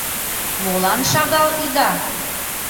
Молан шагал ӱда?